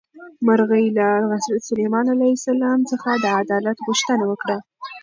مرغۍ له حضرت سلیمان علیه السلام څخه د عدالت غوښتنه وکړه.